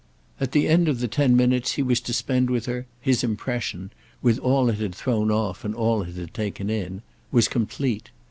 At the end of the ten minutes he was to spend with her his impression—with all it had thrown off and all it had taken in—was complete.